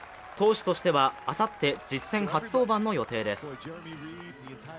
投手としてはあさって実戦初登板の予定です。